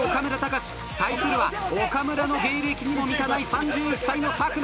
対するは岡村の芸歴にも満たない３１歳の佐久間。